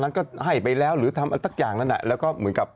นั้นก็ให้ไปแล้วหรือทำอะไรสักอย่างนั้นแล้วก็เหมือนกับ